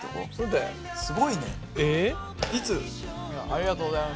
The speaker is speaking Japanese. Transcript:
ありがとうございます。